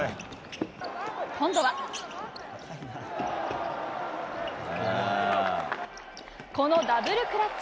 今度は、このダブルクラッチ！